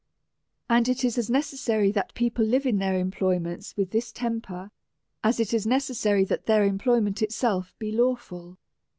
And it is as necessary that people live in their employments with this temper, as it is necessary that their employment itself be lawful.